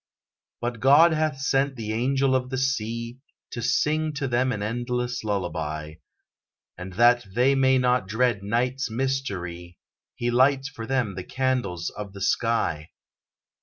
But God hath sent the angel of the sea To sing to them an endless lullaby; And that they may not dread night's mystery, He lights for them the candles of the sky.